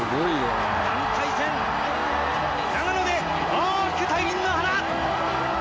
団体戦長野で大きく大輪の花！